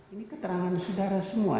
ini keterangan saudara semua